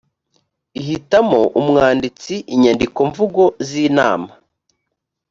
ihitamo umwanditsi inyandikomvugo z inama